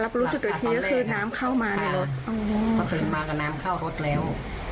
รับรู้สึกว่าทีนี้คือน้ำเข้ามาค่ะเขาตื่นมากับน้ำเข้ารถแล้ว